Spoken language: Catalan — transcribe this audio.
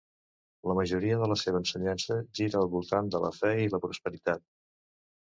La majoria de la seva ensenyança gira al voltant de la fe i la prosperitat.